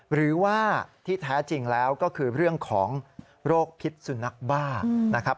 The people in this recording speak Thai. หรือว่าที่แท้จริงแล้วก็คือเรื่องของโรคพิษสุนัขบ้านะครับ